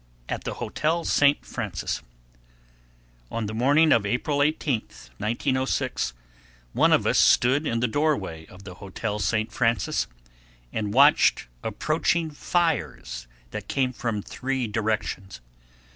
At the Hotel St. Francis On the morning of April 18, 1906, one of us stood in the doorway of the Hotel St. Francis, and watched approaching fires that came from three directions.